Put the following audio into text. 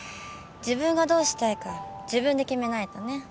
自分がどうしたいか自分で決めないとね。